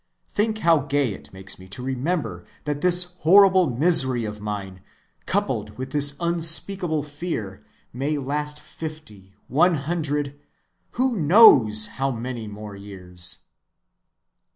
Think how gay it makes me to remember that this horrible misery of mine, coupled with this unspeakable fear, may last fifty, one hundred, who knows how many more years!"